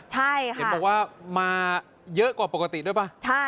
ใช่ค่ะเห็นบอกว่ามาเยอะกว่าปกติด้วยป่ะ